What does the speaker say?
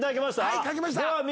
はい書きました。